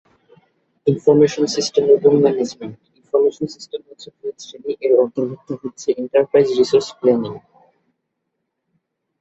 Information system এবং management information system হচ্ছে বৃহৎ শ্রেণী, এর অন্তর্ভুক্ত হচ্ছে এন্টারপ্রাইজ রিসোর্স প্ল্যানিং।